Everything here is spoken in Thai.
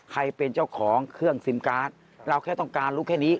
ใครเป็นเจ้าของเครื่องซิมการ์ดเราแค่ต้องการรู้แค่นี้